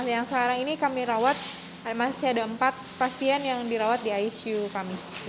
yang sekarang ini kami rawat masih ada empat pasien yang dirawat di icu kami